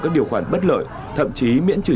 các điều khoản bất lợi thậm chí miễn trừ